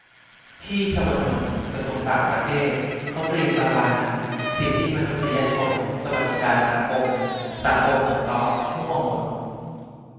พี่ชวนนท์ กระทรวงต่างประเทศ เขาเรียนตำราไหน สิทธิมนุษยชน สวัสดิการสังคม สังคมสงเคราะห์ มั่วหมด